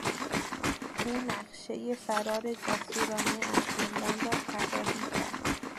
او نقشهی فرار جسورانه از زندان را طراحی کرد.